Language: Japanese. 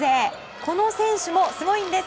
この選手もすごいんです。